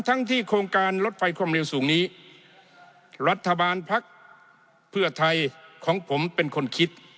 ทั้งที่โครงการลดไฟความเร็วสูงนี้รัฐบาลพักเพื่อไทยของผมเป็นคนคิด